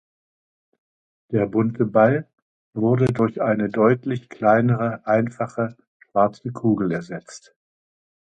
Der bunte Ball wurde durch eine deutlich kleinere, einfache, schwarze Kugel ersetzt.